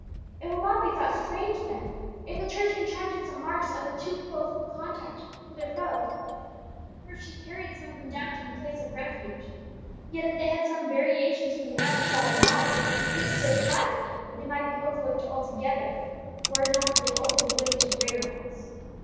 It will not be thought strange, then, if the Church contracted some marks of a too close contact with her foe, or if she carried some of them down to her place of refuge. Yet if they had some variations from the apostolic model, these were so trifling that they might be overlooked altogether, were it not that they opened the way to greater ones.